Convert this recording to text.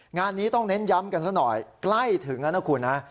งานนี้ต้องเน้นย้ำกันซะหน่อยใกล้ถึงแล้วนะคุณฮะ